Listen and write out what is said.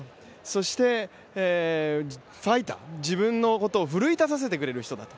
そして、ファイター、自分のことを奮い立たせてくれる人だと。